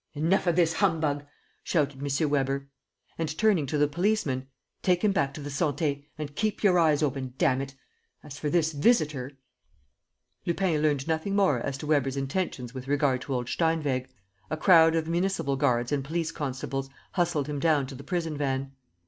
"Enough of this humbug!" shouted M. Weber. And, turning to the policemen, "Take him back to the Santé. And keep your eyes open, damn it! As for this visitor ..." Lupin learnt nothing more as to Weber's intentions with regard to old Steinweg. A crowd of municipal guards and police constables hustled him down to the prison van.